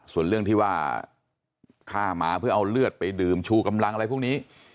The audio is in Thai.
ส่วนเรื่องที่ว่าฆ่าหมาเพื่อเอาเลือดไปดื่มชูกำลังอะไรพวกนี้